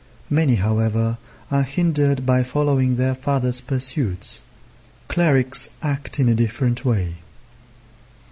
Many, however, are hindered by following their fathers' pursuits. Clerics act in a different way.